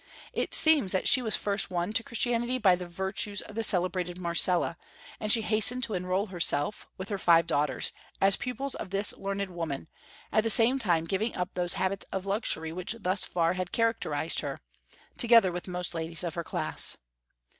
It seems that she was first won to Christianity by the virtues of the celebrated Marcella, and she hastened to enroll herself, with her five daughters, as pupils of this learned woman, at the same time giving up those habits of luxury which thus far had characterized her, together with most ladies of her class.